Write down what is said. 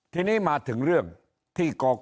ทีนี้มาถึงเรื่องที่กรกตอเสียอีก